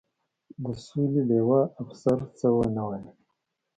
د سولې لوا، افسر څه و نه ویل.